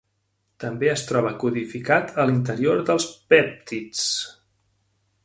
També es troba codificat a l'interior dels pèptids.